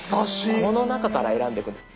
この中から選んでいくんです。